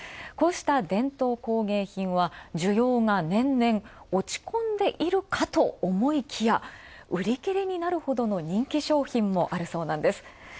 こうした伝統工芸品は、需要が年々、落ち込んでいるかと思いきや売り切れになるほどの人気商品もあるそうなんです。